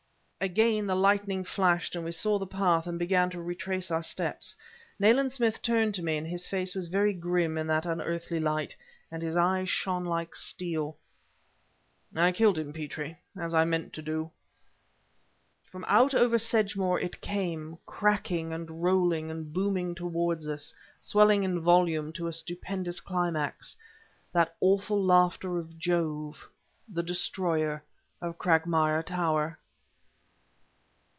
Again the lightning flashed, and we saw the path and began to retrace our steps. Nayland Smith turned to me; his face was very grim in that unearthly light, and his eyes shone like steel. "I killed him, Petrie... as I meant to do." From out over Sedgemoor it came, cracking and rolling and booming toward us, swelling in volume to a stupendous climax, that awful laughter of Jove the destroyer of Cragmire Tower.